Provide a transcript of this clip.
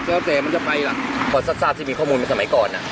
แล้วแต่มันจะไปล่ะพอทราบที่มีข้อมูลมาสมัยก่อน